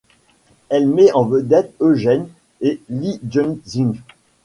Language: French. Elle met en vedette Eugene et Lee Jung-jin.